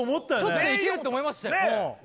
ちょっといけるって思いましたよ